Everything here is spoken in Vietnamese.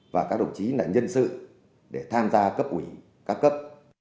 và các đồng chí là nhân sự để tham gia cấp ủy các cấp